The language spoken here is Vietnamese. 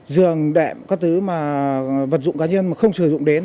giường đệm các thứ mà vật dụng cá nhân mà không sử dụng đến